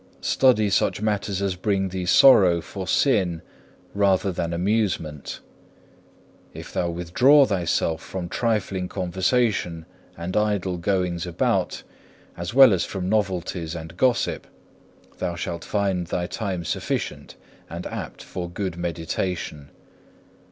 Study such matters as bring thee sorrow for sin rather than amusement. If thou withdraw thyself from trifling conversation and idle goings about, as well as from novelties and gossip, thou shalt find thy time sufficient and apt for good meditation.